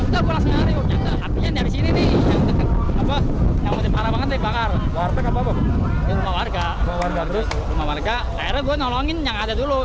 terus rumah warga akhirnya gue nolongin yang ada dulu